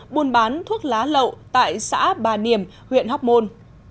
buôn bán thuốc lá lậu tại xã bà điểm huyện hóc môn